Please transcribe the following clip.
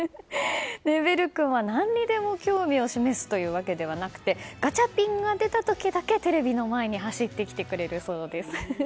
ベル君は何にでも興味を示すというわけではなくてガチャピンが出た時だけテレビの前に走ってきてくれるそうです。